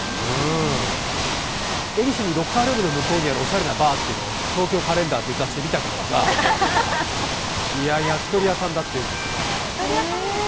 恵比寿にロッカールームの奥にあるおしゃれなバーというのを「東京カレンダー」という雑誌で見たけどさ、焼き鳥屋さんだっていうんですよ。